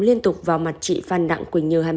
liên tục vào mặt chị phan đặng quỳnh như